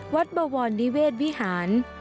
บวรนิเวศวิหาร